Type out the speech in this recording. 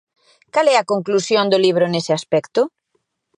Cal é a conclusión do libro nese aspecto?